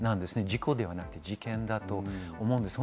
事故ではなく事件だと思います。